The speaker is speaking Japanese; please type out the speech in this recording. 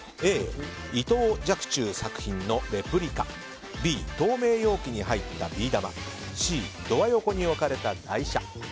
Ａ、伊藤若冲作品のレプリカＢ、透明容器に入ったビー玉Ｃ、ドア横に置かれた台車。